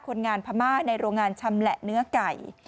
คนงานพม่าในโรงงานชำแหละเนื้อไก่